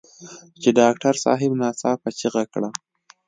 چې ډاکټر صاحب ناڅاپه چيغه کړه.